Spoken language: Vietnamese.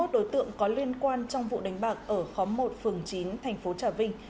hai mươi đối tượng có liên quan trong vụ đánh bạc ở khóm một phường chín thành phố trà vinh